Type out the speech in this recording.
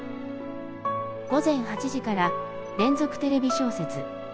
「午前８時から『連続テレビ小説』」。